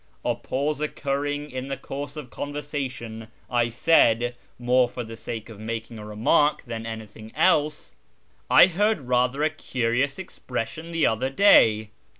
A pause occurring in the course of conversation, I said, more for the sake of making a remark than anything else :" I heard rather a curious expression the other day."